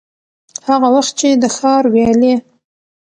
هغه وخت چي د ښار ويالې،